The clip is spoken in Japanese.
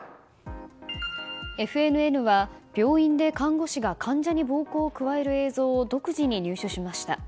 ＦＮＮは病院で看護師が患者に暴行を加える映像を独自に入手しました。